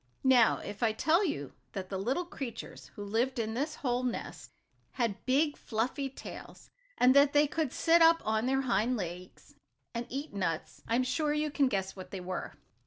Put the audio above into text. Now if I tell you that the little creatures who lived in this hole nest had big, fluffy tails, and that they could sit up on their hind legs, and eat nuts, I am sure you can guess what they were.